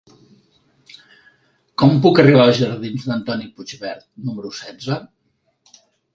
Com puc arribar als jardins d'Antoni Puigvert número setze?